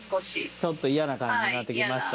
ちょっと嫌な感じになってきました？